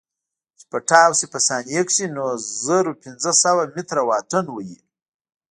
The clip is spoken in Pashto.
چې پټاو سي په ثانيه کښې نو زره پنځه سوه مټره واټن وهي.